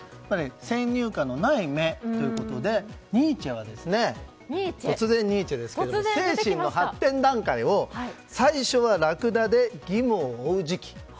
先入観のない目ということでニーチェは、精神の発展段階を最初はラクダで義務を負う時期。